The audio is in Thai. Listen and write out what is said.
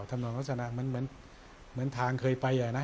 ธรรมดาโรศนามันเหมือนเหมือนทางเคยไปอ่ะนะ